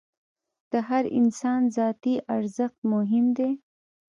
د هر انسان ذاتي ارزښت مهم دی.